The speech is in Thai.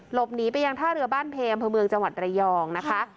หลบหนีไปยังท่าเรือบ้านเพมพมจระยองนะคะ